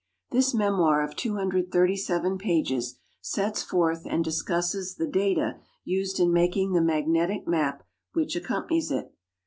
This memoir of 237 pages sets forth and discusses the data used in mak ing the magnetic map which accompanies it.